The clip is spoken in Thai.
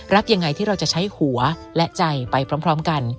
ยังไงที่เราจะใช้หัวและใจไปพร้อมกัน